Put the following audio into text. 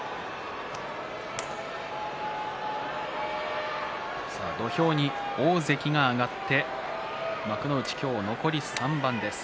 拍手土俵に大関が上がって幕内、今日、残り３番です。